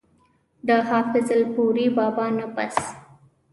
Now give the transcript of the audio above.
د حافظ الپورۍ بابا نه پس